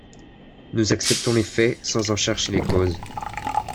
Nous acceptons les faits sans en chercher les causes